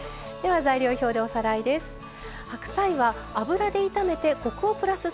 材料表でおさらいです。